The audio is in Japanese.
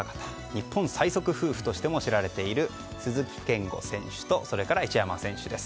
日本最速夫婦としても知られている鈴木健吾選手と一山選手です。